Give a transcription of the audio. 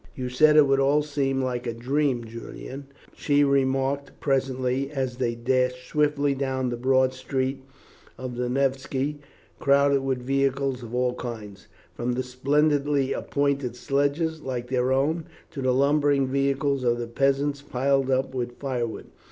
"You said it would all seem like a dream, Julian," she remarked presently, as they dashed swiftly down the broad street of the Nevsky, crowded with vehicles of all kinds, from the splendidly appointed sledges, like their own, to the lumbering vehicles of the peasants piled up with firewood.